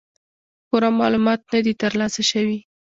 پوره معلومات نۀ دي تر لاسه شوي